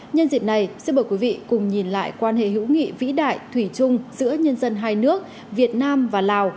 nhân dịp này sẽ mời quý vị cùng nhìn lại quan hệ hữu nghị vĩ đại thủy chung giữa nhân dân hai nước việt nam và lào